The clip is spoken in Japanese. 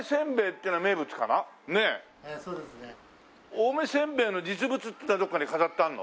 青梅せんべいの実物ってどっかに飾ってあるの？